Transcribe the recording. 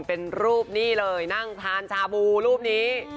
เป็นรูปนี่เลยนั่งทานชาบูรูปนี้